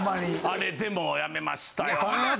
あれでもうやめましたよ。